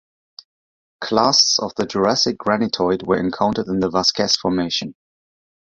Clasts of the Jurassic granitoid were encountered in the Vasquez Formation.